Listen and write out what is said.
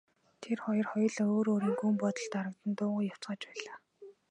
Тэр хоёр хоёулаа өөр өөрийн гүн бодолд дарагдан дуугүй явцгааж байлаа.